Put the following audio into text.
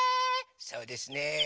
そうですね。